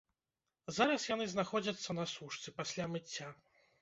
Зараз яны знаходзяцца на сушцы, пасля мыцця.